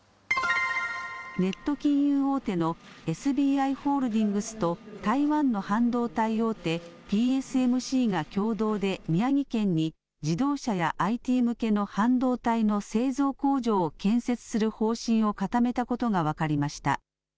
ネット金融大手のＳＢＩホールディングスと台湾の半導体大手、ＰＳＭＣが共同で宮城県に、自動車やＩＴ向けの半導体の製造工場を建設する方針を固めたことが分かりました。